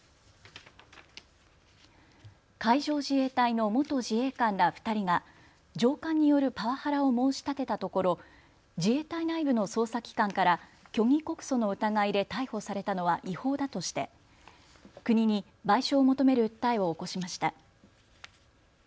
海上自衛隊の元自衛官ら２人が上官によるパワハラを申し立てたところ、自衛隊内部の捜査機関から虚偽告訴の疑いで逮捕されたのは違法だとして国に賠償を求める訴えを起こしました。